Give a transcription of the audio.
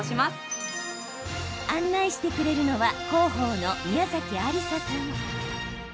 案内してくれるのは広報の宮崎有沙さん。